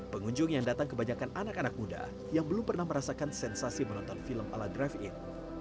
pengunjung yang datang kebanyakan anak anak muda yang belum pernah merasakan sensasi menonton film ala drive in